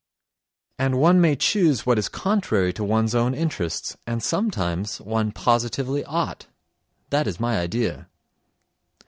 And one may choose what is contrary to one's own interests, and sometimes one positively ought (that is my idea).